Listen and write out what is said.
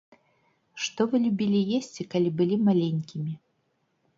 Што вы любілі есці, калі былі маленькімі?